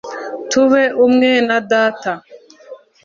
Tube ubumwe na Data.